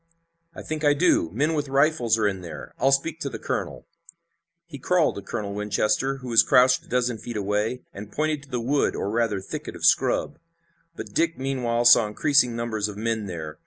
"I think I do. Men with rifles are in there. I'll speak to the colonel." He crawled to Colonel Winchester, who was crouched a dozen feet away, and pointed to the wood, or rather thicket of scrub. But Dick meanwhile saw increasing numbers of men there.